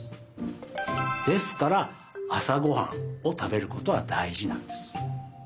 ですからあさごはんをたべることはだいじなんです。